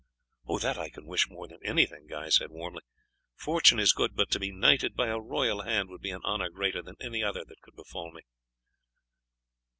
"That I can wish more than anything," Guy said warmly. "Fortune is good, but to be knighted by a royal hand would be an honour greater than any other that could befall me."